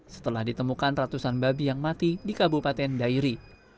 setelah ditemukan ratusan babi yang mati di kabupaten dairi